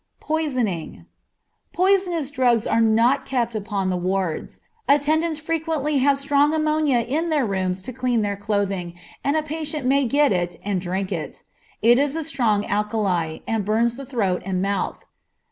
Poisoning. Poisonous drugs are not kept upon the wards. Attendants frequently have strong ammonia in their rooms to clean their clothing, and a patient may get it and drink it. It is a strong alkali, and burns the throat and mouth.